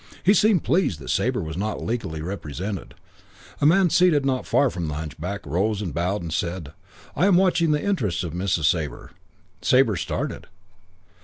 He seemed pleased that Sabre was not legally represented. A man seated not far from the hunchback rose and bowed and said, "I am watching the interests of Mrs. Sabre." Sabre started.